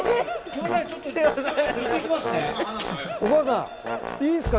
お母さんいいですか？